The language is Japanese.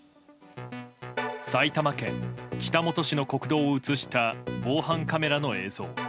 埼玉県北本市の国道を映した防犯カメラの映像。